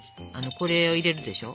これを入れるでしょ。